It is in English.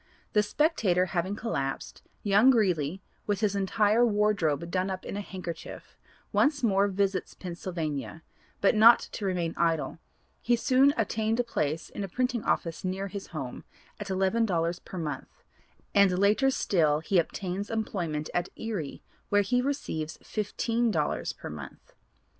The Spectator having collapsed, young Greeley, with his entire wardrobe done up in a handkerchief, once more visits Pennsylvania, but not to remain idle; he soon obtained a place in a printing office near his home, at eleven dollars per month, and later still he obtains employment at Erie where he receives fifteen dollars per month.